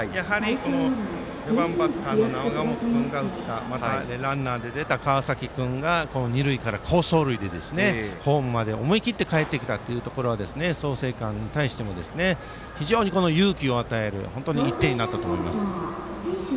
４番バッターの永本君が打ったまたランナーで出た川崎君が二塁から好走塁でホームまで思い切ってかえってきたというところは創成館に対しても非常に勇気を与える１点になったと思います。